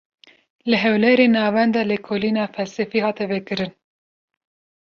Li Hewlêrê, Navenda Lêkolîna Felsefî hate vekirin